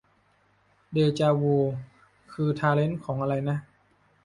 เดจาวู คือทาเลนท์ของ อะไรนะ